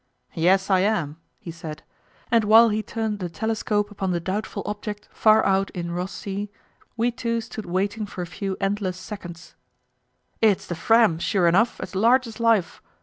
"Yes, I am," he said; and while he turned the telescope upon the doubtful object far out in Ross Sea, we two stood waiting for a few endless seconds. "It's the Fram sure enough, as large as life!"